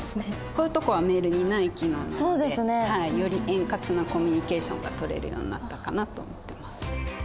こういうとこはメールにない機能なのでより円滑なコミュニケーションがとれるようになったかなと思ってます。